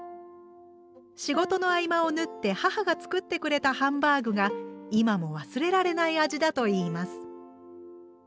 仕事の合間を縫って母が作ってくれたハンバーグが今も忘れられない味だといいます。